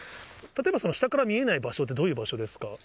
例えば下から見えない場所って、どういう場所ですか？